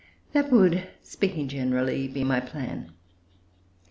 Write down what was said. That would, speaking generally, be my plan.